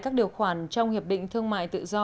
các điều khoản trong hiệp định thương mại tự do